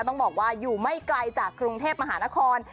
ต้องบอกว่าอยู่ไม่ไกลจากกรุงเทพมหานคร